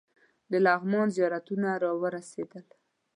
د لغمان زیارتونه راورسېدل.